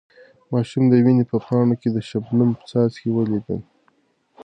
ماشوم د ونې په پاڼو کې د شبنم څاڅکي ولیدل.